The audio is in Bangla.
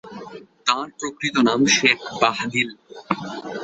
তাঁর প্রকৃত নাম শেখ বাহদিল।